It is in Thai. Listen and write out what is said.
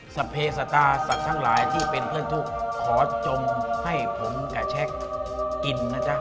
เพศตาสัตว์ทั้งหลายที่เป็นเพื่อนทุกข์ขอจมให้ผมกับแชคกินนะจ๊ะ